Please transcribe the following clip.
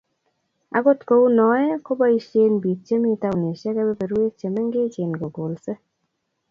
akot kou noe, ko boisien biik chemi taunisiek kebeberwek chemengechen kokolse